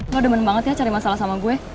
gue demen banget ya cari masalah sama gue